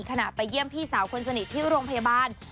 ไปเยี่ยมพี่สาวคนสนิทที่โรงพยาบาล